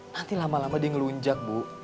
nanti lama lama dia ngelunjak bu